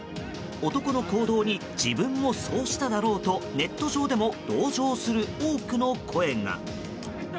男の行動に自分もそうしただろうとネット上でも同情する多くの声が。